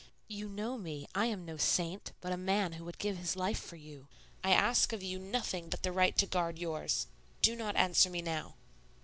You know me; I am no saint, but a man who would give his life for you. I ask of you nothing but the right to guard yours. Do not answer me now."